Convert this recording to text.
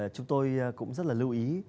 chúng tôi cũng rất là lưu ý